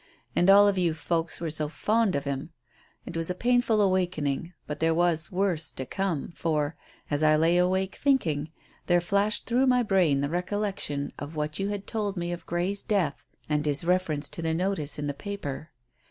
And all of you folks were so fond of him. It was a painful awakening; but there was worse to come, for, as I lay awake thinking, there flashed through my brain the recollection of what you had told me of Grey's death and his reference to the notice in the paper.